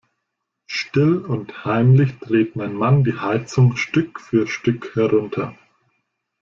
Still und heimlich dreht mein Mann die Heizung Stück für Stück herunter.